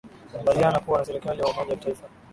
mbaliana kuwa na serikali ya umoja wa kitaifa